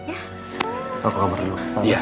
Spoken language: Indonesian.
apa kabar lu